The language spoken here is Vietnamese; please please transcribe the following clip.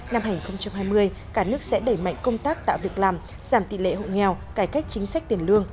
năm hai nghìn hai mươi cả nước sẽ đẩy mạnh công tác tạo việc làm giảm tỷ lệ hộ nghèo cải cách chính sách tiền lương